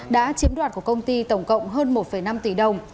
đã chiếm đoạt của công ty tổng cộng hơn một năm tỷ đồng